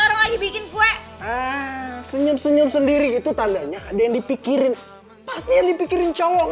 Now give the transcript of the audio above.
sekarang lagi bikin kue senyum senyum sendiri itu tandanya ada yang dipikirin pasti yang dipikirin cowok